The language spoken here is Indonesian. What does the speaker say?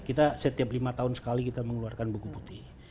kita setiap lima tahun sekali kita mengeluarkan buku putih